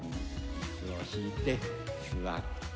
椅子を引いて座って。